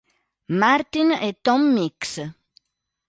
Martin e Tom Mix.